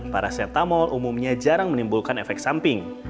paracetamol umumnya jarang menimbulkan efek samping